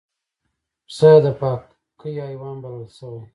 پسه د پاکۍ حیوان بلل شوی.